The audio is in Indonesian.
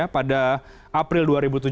pada april dua ribu tujuh belas